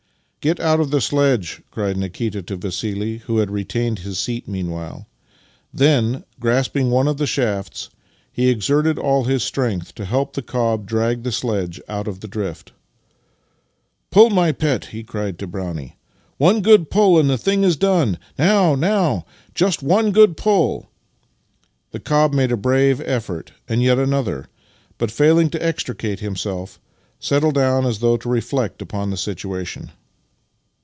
" Get out of the sledge," cried Nikita to Vassili, who had retained his seat meanwhile. Then, grasping one of the shafts, he exerted all his strength to help the cob to drag the sledge out of the drift. " Pull, my pet! " he cried to Brownie. " One good pull and the thing is done. Now, now ! J ust one good pull!" The cob made a brave effort, and yet another, but, failing to extricate himself, settled down as though to reflect upon the situation.